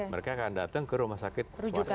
mereka akan datang ke rumah sakit swasta